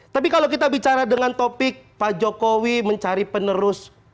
tapi kalau kita bicara dengan topik pak jokowi mencari penerus